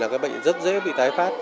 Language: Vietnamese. là cái bệnh rất dễ bị tái phát